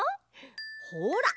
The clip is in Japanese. ほら！